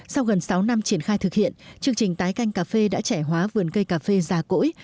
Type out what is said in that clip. sau gần sáu năm triển khai thực hiện chương trình tái canh cà phê đã trẻ hóa vườn cây cà phê già cỗi